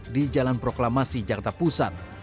di jalan proklamasi jakarta pusat